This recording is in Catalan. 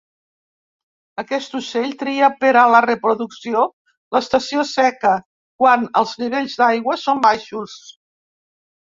Aquest ocell tria per a la reproducció l'estació seca, quan els nivells d'aigua són baixos.